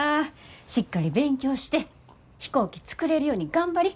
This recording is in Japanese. しっかり勉強して飛行機作れるように頑張り。